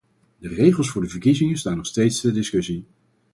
De regels voor de verkiezingen staan nog steeds ter discussie .